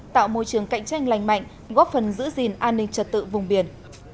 tạo môi trường cạnh tranh lành mạnh góp phần giữ gìn an ninh trật tự vùng biển